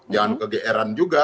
jangan ke gr